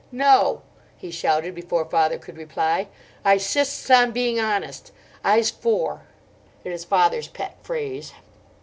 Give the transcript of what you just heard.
'No,' he shouted before father could reply; 'I 'sists on being honest. I'se four.' It is father's pet phrase."